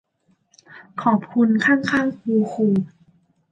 ขอบคุณข้างข้างคูคู